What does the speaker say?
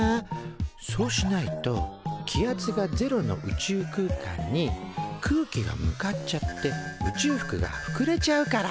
そうしないと気圧がゼロの宇宙空間に空気が向かっちゃって宇宙服がふくれちゃうから。